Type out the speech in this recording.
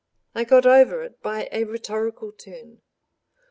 I got over it by a rhetorical turn.